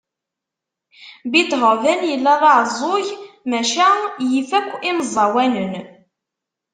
Beethoven yella d aɛeẓẓug maca yif akk imeẓẓawanen.